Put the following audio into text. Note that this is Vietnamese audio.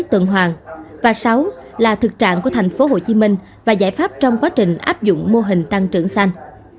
sáu thực trạng của tp hcm và giải pháp trong quá trình áp dụng mô hình tăng trưởng xanh